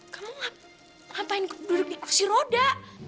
kamu ngapain duduk di kursi roda